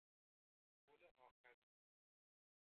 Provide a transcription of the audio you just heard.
گل اخری